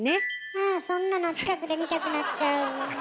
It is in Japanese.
あそんなの近くで見たくなっちゃう。